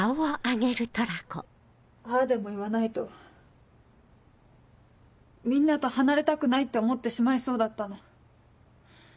ああでも言わないとみんなと離れたくないって思ってしまいそうだったの。